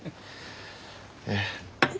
ええ。